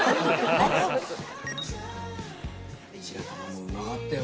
白玉もうまかったよ